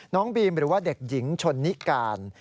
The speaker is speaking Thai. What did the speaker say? น้องบีมหรือว่าเด็กหญิงชนนิการ